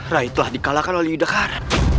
rai telah di kalahkan oleh yudhakar